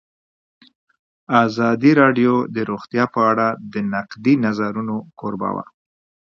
ازادي راډیو د روغتیا په اړه د نقدي نظرونو کوربه وه.